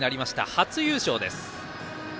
初優勝です。